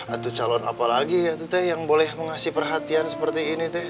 itu calon apa lagi ya tuh teh yang boleh mengasih perhatian seperti ini teh